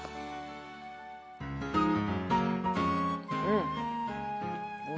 うん。